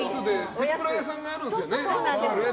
天ぷら屋さんがあるんですよね。